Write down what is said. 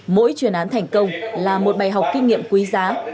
mỗi chuyên án thành công là một bài học kinh nghiệm quý giá